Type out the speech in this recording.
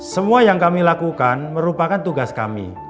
semua yang kami lakukan merupakan tugas kami